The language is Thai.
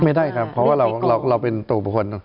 ไม่ได้ครับเพราะว่าเราเป็นตัวบุคคล